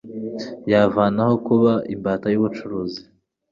yavanaho kuba imbata y'ubucuruzi